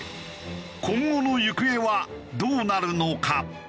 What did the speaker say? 今後の行方はどうなるのか？